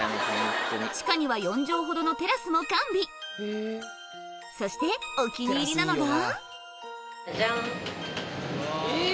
地下には４畳ほどのテラスも完備そしてお気に入りなのがジャン！